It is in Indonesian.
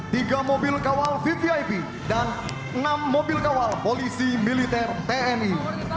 tiga mobil kawal vvip dan enam mobil kawal polisi militer tni